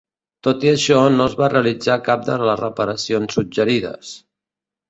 Tot i això, no es va realitzar cap de les reparacions suggerides.